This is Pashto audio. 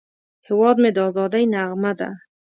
هیواد مې د ازادۍ نغمه ده